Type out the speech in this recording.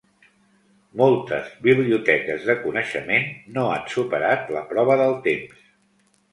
Moltes biblioteques de coneixement no han superat la prova del temps.